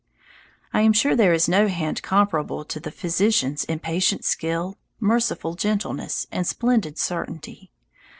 I am sure there is no hand comparable to the physician's in patient skill, merciful gentleness and splendid certainty.